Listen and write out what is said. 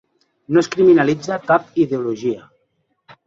No es criminalitza cap ideologia.